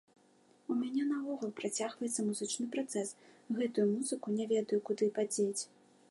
У мяне наогул працягваецца музычны працэс, гэтую музыку не ведаю, куды падзець.